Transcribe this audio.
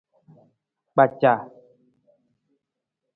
Kpaca.